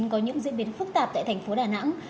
có những diễn biến phức tạp tại tp đà nẵng